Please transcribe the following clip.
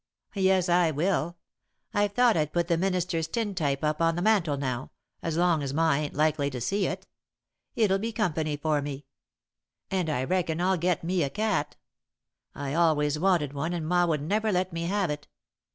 "Yes, I will. I've thought I'd put the minister's tintype up on the mantel now, as long as Ma ain't likely to see it. It'll be company for me. And I reckon I'll get me a cat. I always wanted one and Ma would never let me have it.